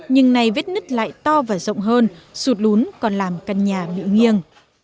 nhưng nay vết nứt lại to và rộng hơn sụt lún còn làm căn nhà bị nghiêng